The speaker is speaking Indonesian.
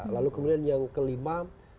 lalu kemudian yang kelima